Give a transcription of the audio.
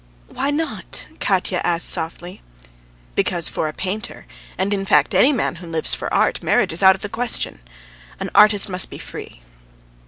"Why not?" Katya asked softly. "Because for a painter, and in fact any man who lives for art, marriage is out of the question. An artist must be free."